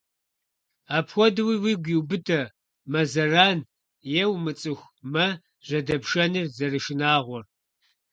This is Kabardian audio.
Апхуэдэуи уигу иубыдэ, мэ зэран е умыцӀыху мэ жьэдэпшэныр зэрышынагъуэр.